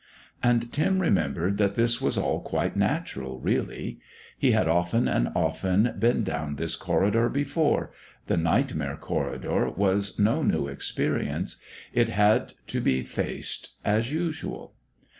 And Tim remembered that this was all quite natural really. He had often and often been down this corridor before; the Nightmare Corridor was no new experience; it had to be faced as usual.